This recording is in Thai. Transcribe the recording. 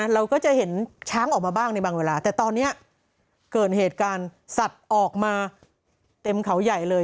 เราก็จะเห็นช้างออกมาบ้างในบางเวลาแต่ตอนนี้เกิดเหตุการณ์สัตว์ออกมาเต็มเขาใหญ่เลย